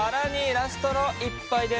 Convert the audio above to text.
ラストの１杯です！